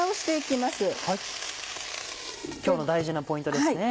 今日の大事なポイントですね。